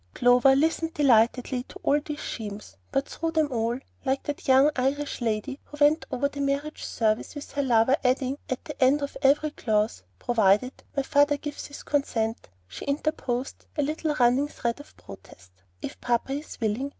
Clover listened delightedly to all these schemes, but through them all, like that young Irish lady who went over the marriage service with her lover adding at the end of every clause, "Provided my father gives his consent," she interposed a little running thread of protest, "If papa is willing.